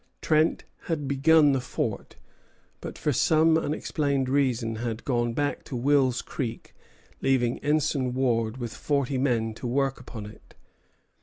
Trent had begun the fort; but for some unexplained reason had gone back to Wills Creek, leaving Ensign Ward with forty men at work upon it.